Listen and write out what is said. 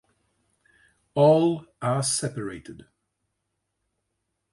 All are separated.